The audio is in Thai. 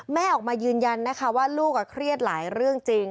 แม่ออกมายืนยันนะคะว่าลูกเครียดหลายเรื่องจริง